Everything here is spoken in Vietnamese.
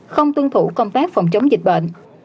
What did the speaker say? không tuân thủ công tác phòng chống dịch bệnh